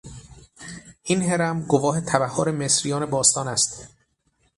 این هرم گواه تبحر مصریان باستان است.